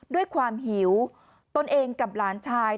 ด้วยความหิวตนเองกับหลานชาย